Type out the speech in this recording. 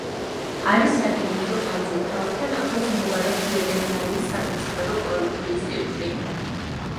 არის სარკინიგზო კვანძი, ქალაქთან ახლოს მდებარეობს ვეტერინარიის სამეცნიერო-კვლევითი ინსტიტუტი.